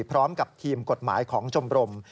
พร้อมกับทีมกฎหมายของชมรม